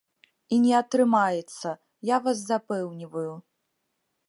І не атрымаецца, я вас запэўніваю.